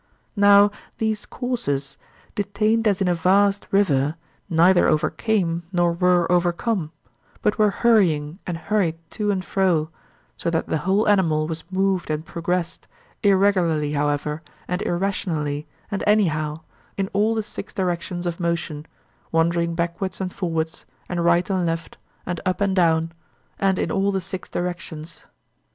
Now these courses, detained as in a vast river, neither overcame nor were overcome; but were hurrying and hurried to and fro, so that the whole animal was moved and progressed, irregularly however and irrationally and anyhow, in all the six directions of motion, wandering backwards and forwards, and right and left, and up and down, and in all the six directions.